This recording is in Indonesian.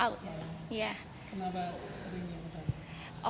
kenapa sering inget